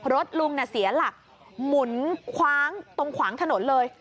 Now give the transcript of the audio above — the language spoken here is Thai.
ลุงเสียหลักหมุนคว้างตรงขวางถนนเลย